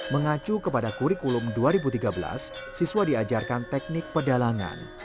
mengacu kepada kurikulum dua ribu tiga belas siswa diajarkan teknik pedalangan